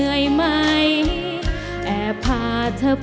เพลงแรกของเจ้าเอ๋ง